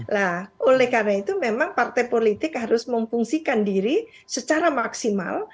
nah oleh karena itu memang partai politik harus memfungsikan diri secara maksimal